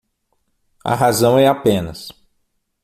A razão é apenas